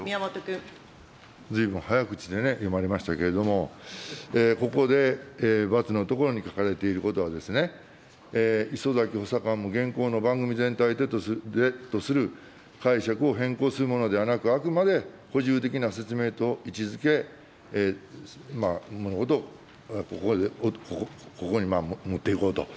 ずいぶん早口でね、読まれましたけども、ここでばつの所に書かれていることは、いそざき補佐官も現行の番組全体でとする解釈を変更するものではなく、あくまで補充的な説明と位置づけ、ここに持っていこうと。